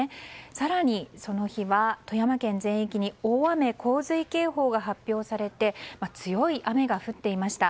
更に、その日は富山県全域に大雨・洪水警報が発表されて強い雨が降っていました。